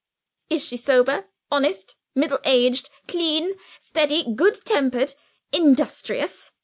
"Is she sober, honest, middle aged, clean, steady, good tempered, industrious?"